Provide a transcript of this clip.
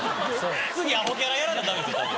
次アホキャラやらなダメですよ。